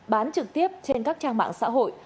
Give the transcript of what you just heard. bán trực tiếp trên các trang mạng xã hội